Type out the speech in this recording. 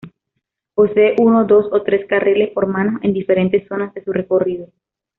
Posee uno, dos o tres carriles por mano en diferentes zonas de su recorrido.